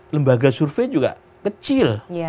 lembaga survei juga kecil